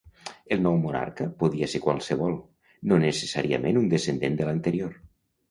El nou monarca podia ser qualsevol, no necessàriament un descendent de l'anterior.